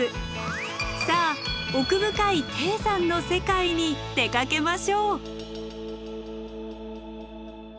さあ奥深い低山の世界に出かけましょう。